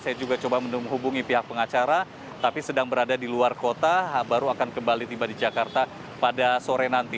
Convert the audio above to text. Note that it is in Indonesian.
saya juga coba menghubungi pihak pengacara tapi sedang berada di luar kota baru akan kembali tiba di jakarta pada sore nanti